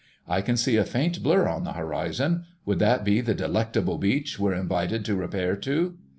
"I can see a faint blur on the horizon—would that be the delectable beach we're invited to repair to?"